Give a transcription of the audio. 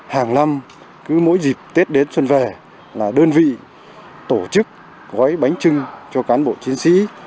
hàng năm cứ mỗi dịp tết đến xuân về là đơn vị tổ chức gói bánh trưng cho cán bộ chiến sĩ